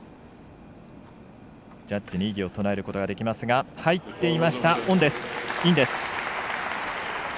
ジャッジに異議を唱えることができますが入っていました、インです。